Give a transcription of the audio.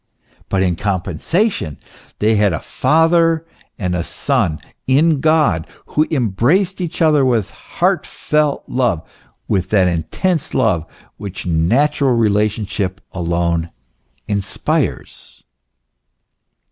But in compensation they had a Father and Son in God, who em braced each other with heartfelt love, with thati ntense love which natural relationship alone inspires.